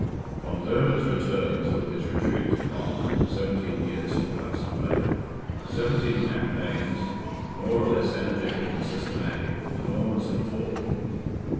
From Dermid's return until his retreat to Cong, seventeen years had passed away. Seventeen campaigns, more or less energetic and systematic, the Normans had fought.